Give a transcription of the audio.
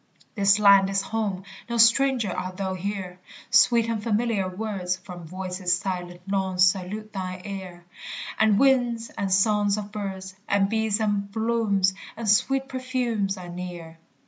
This land is home; no stranger art thou here; Sweet and familiar words From voices silent long salute thine ear; And winds and songs of birds, And bees and blooms and sweet perfumes are near.